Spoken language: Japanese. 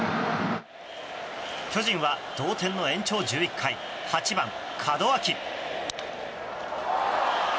巨人は同点の延長１１回８番、門脇。